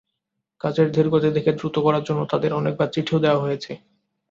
কাজের ধীরগতি দেখে দ্রুত করার জন্য তাদের অনেকবার চিঠিও দেওয়া হয়েছে।